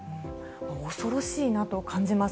恐ろしいなと感じます。